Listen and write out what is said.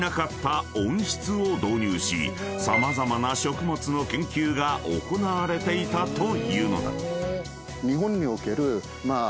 ［様々な食物の研究が行われていたというのだ］